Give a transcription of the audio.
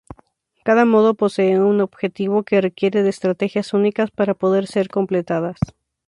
Cada modo posee un objetivo que requiere de estrategias únicas para poder ser completadas.